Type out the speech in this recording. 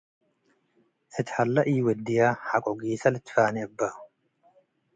እት ሀለ ኢወድየ ሐቆ ጌሰ ልትፋኔ እበ።